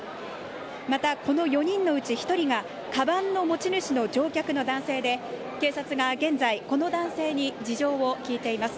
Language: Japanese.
また、この４人のうち１人がかばんの持ち主の乗客の男性で警察が現在この男性に事情を聴いています。